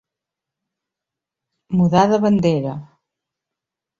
Mudar de bandera.